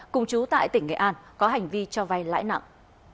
cùng chú tại tỉnh nghệ an có hành vi cho vay lãi nặng